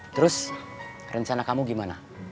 terus rencana kamu gimana